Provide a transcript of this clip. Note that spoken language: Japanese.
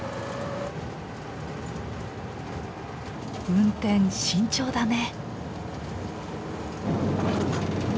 運転慎重だね。